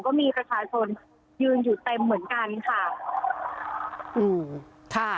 ก็มีประชาชนยืนอยู่เต็มเหมือนกันค่ะอืมค่ะ